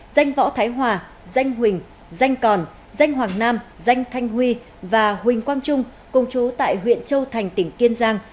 danh võ thái hòa danh huỳnh danh còn danh hoàng nam danh thanh huy và huỳnh quang trung công chú tại huyện châu thành tỉnh kiên giang